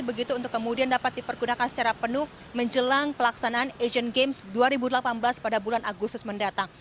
begitu untuk kemudian dapat dipergunakan secara penuh menjelang pelaksanaan asian games dua ribu delapan belas pada bulan agustus mendatang